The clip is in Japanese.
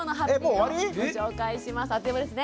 あっという間ですね。